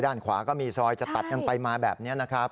ด้านขวาก็มีซอยจะตัดกันไปมาแบบนี้นะครับ